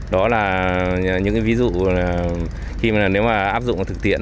đó là những ví dụ khi mà nếu mà áp dụng thực tiễn